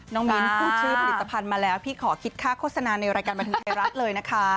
มิ้นพูดชื่อผลิตภัณฑ์มาแล้วพี่ขอคิดค่าโฆษณาในรายการบันทึงไทยรัฐเลยนะคะ